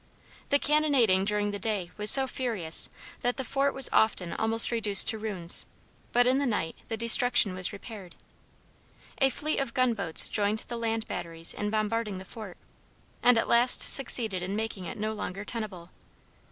The cannonading during the day was so furious that the fort was often almost reduced to ruins, but in the night the destruction was repaired. A fleet of gunboats joined the land batteries in bombarding the fort, and at last succeeded in making it no longer tenable.